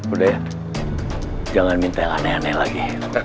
udah ya jangan minta yang aneh aneh lagi